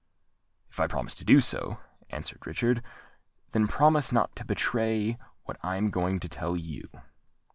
"If I promise to do so," answered Richard. "Then promise not to betray what I am going to tell you."